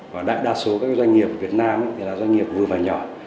và đại đa số các doanh nghiệp việt nam thì là doanh nghiệp vừa và nhỏ